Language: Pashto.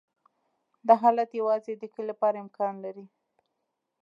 دا حالت یوازې د کلې لپاره امکان لري